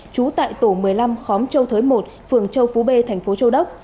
trú tại tổ một mươi năm khóm châu thới một phường châu phú b thành phố châu đốc